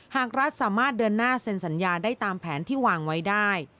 หากรัฐสามารถเดินหน้าเซ็นสัญญาได้ตามแผนที่วางไว้ได้